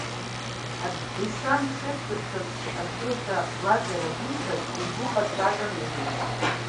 Адесант шеиқәдыршәоз атәы ҳәа Лазарев ииҳәаз, игәыҟаҵаган иара изы.